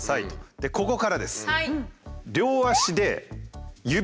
でここからです。